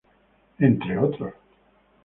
Entre otros.